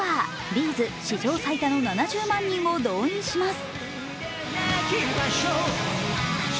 Ｂ’ｚ史上最多の７０万人を動員します。